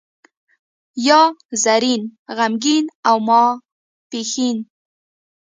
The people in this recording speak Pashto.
یا زرین، غمګین او ماپښین.